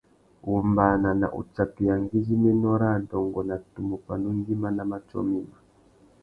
Wombāna na utsakeya ngüidjiménô râ adôngô na tumu pandú ngüima na matiō mïmá.